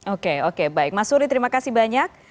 oke oke baik mas suri terima kasih banyak